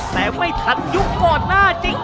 แต่ไม่ทันยุคก่อนหน้าจริง